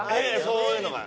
そういうのが。